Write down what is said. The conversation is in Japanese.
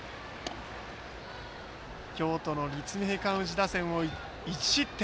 京都の立命館宇治打線を１失点。